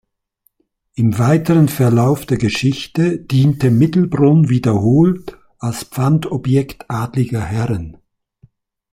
Im weiteren Verlauf der Geschichte diente Mittelbrunn wiederholt als Pfandobjekt adliger Herren.